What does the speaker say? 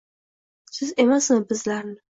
Siz emasmi bizlarni